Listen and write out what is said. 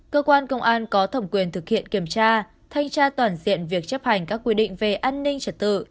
cơ quan công an có thẩm quyền thực hiện kiểm tra thanh tra toàn diện việc chấp hành các quy định về an ninh trật tự